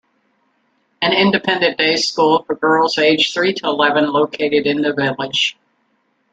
An independent day school for girls aged three to eleven located in the village.